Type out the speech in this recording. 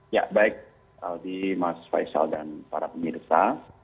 ya baik aldi mas faisal dan para pemirsa